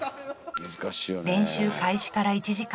練習開始から１時間。